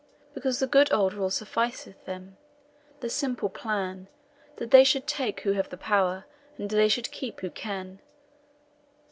Because the good old rule Sufficeth them; the simple plan, That they should take who have the power, And they should keep who can.